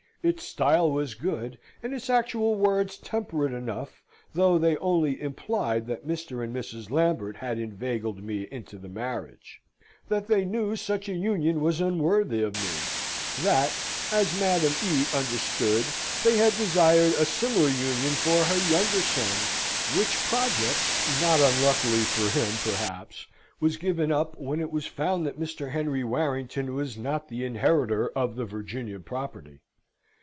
Its style was good, and its actual words temperate enough, though they only implied that Mr. and Mrs. Lambert had inveigled me into the marriage; that they knew such an union was unworthy of me; that (as Madam E. understood) they had desired a similar union for her younger son, which project, not unluckily for him, perhaps, was given up when it was found that Mr. Henry Warrington was not the inheritor of the Virginian property.